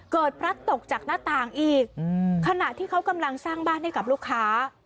พลัดตกจากหน้าต่างอีกขณะที่เขากำลังสร้างบ้านให้กับลูกค้า